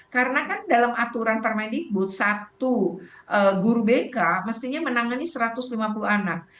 karena kan dalam aturan permedikbud satu guru bk mestinya menangani satu ratus lima puluh anak